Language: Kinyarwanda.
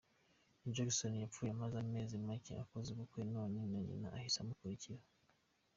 Jackson yapfuye amaze amezi macye akoze ubukwe none na nyina ahise amukurikira.